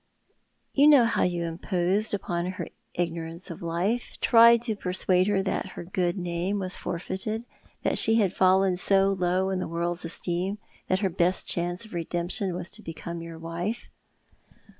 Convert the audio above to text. "You know how you imposed upon her ignorance of life, tried to persuade her that her good name was forfeited, that she had fallen so low in the world's esteem that her best chance of redemption was to become your wife."